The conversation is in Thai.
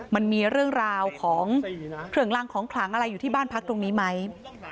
มันมีเรื่องราวของเครื่องรางของขลังอะไรอยู่ที่บ้านพักตรงนี้ไหม